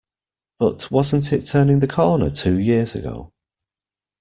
But wasn't it turning the corner two years ago?